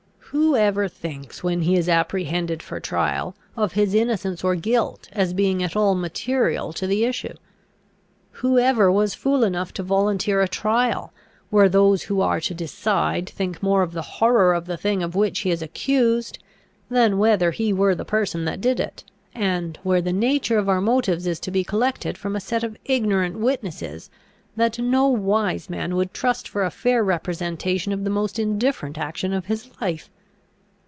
Who ever thinks, when he is apprehended for trial, of his innocence or guilt as being at all material to the issue? Who ever was fool enough to volunteer a trial, where those who are to decide think more of the horror of the thing of which he is accused, than whether he were the person that did it; and where the nature of our motives is to be collected from a set of ignorant witnesses, that no wise man would trust for a fair representation of the most indifferent action of his life?